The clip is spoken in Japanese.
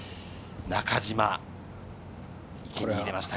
中島、池に入れました。